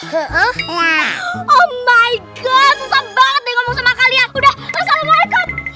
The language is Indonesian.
oh my god susah banget nih ngomong sama kalian udah harus sama mereka